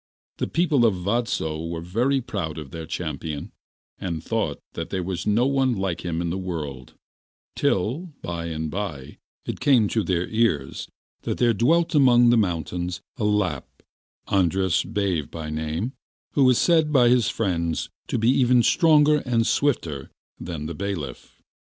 The people of Vadso were very proud of their champion, and thought that there was no one like him in the world, till, by and by, it came to their ears that there dwelt among the mountains a Lapp, Andras Baive by name, who was said by his friends to be even stronger and swifter than the bailiff.